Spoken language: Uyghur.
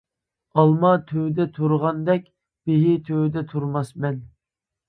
ئالما تۈۋىدە تۇرغاندەك، بېھى تۈۋىدە تۇرماسمەن.